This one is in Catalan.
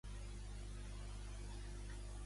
De quin idioma prové el nom Servaas van Maastricht?